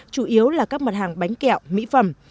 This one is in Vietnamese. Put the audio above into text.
chủ yếu là các mặt hàng bánh kẹo mỹ phẩm